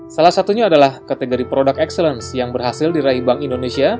salah satunya adalah kategori product excellence yang berhasil diraih bank indonesia